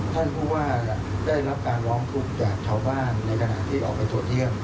ท่านผู้ว่าได้รับการร้องทุกข์จากชาวบ้านในขณะที่ออกไปตรวจเยี่ยม